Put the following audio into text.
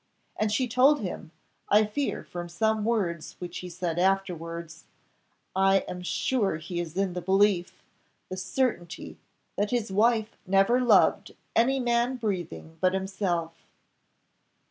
And she told him I fear from some words which he said afterwards I am sure he is in the belief the certainty, that his wife never loved any man breathing but himself."